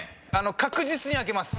確実に開けます。